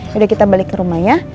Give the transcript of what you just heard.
yaudah kita balik ke rumah ya